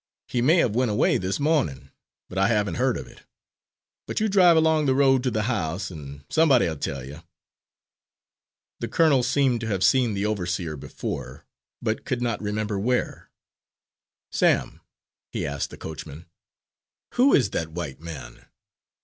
He may have went away this mornin', but I haven't heard of it. But you drive along the road to the house, an' somebody'll tell you." The colonel seemed to have seen the overseer before, but could not remember where. "Sam," he asked the coachman, "who is that white man?"